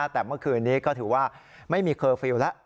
แต่เมื่อคืนนี้ก็ถือว่าไม่มีเคอร์ฟิลล์แล้ว